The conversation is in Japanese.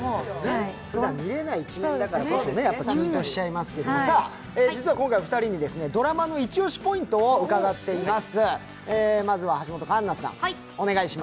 ふだん見れない一面だからキュンとしてしまいますけれど実は今回、２人にドラマのイチ押しポイントを伺っています。